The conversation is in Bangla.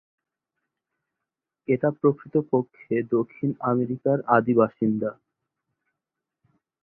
এটা প্রকৃতপক্ষে দক্ষিণ আমেরিকার আদি বাসিন্দা।